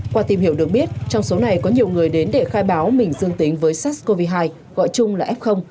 qua tìm hiểu được biết trong số này có nhiều người đến để khai báo mình dương tính với sars cov hai gọi chung là f